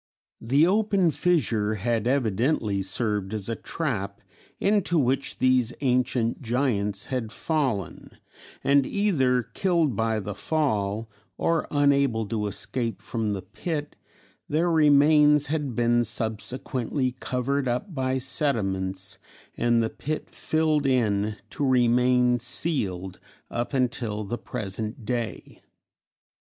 The open fissure had evidently served as a trap into which these ancient giants had fallen, and either killed by the fall or unable to escape from the pit, their remains had been subsequently covered up by sediments and the pit filled in to remain sealed up until the present day.